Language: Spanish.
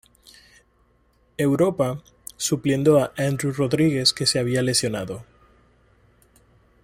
Europa, supliendo a Andreu Rodríguez que se había lesionado.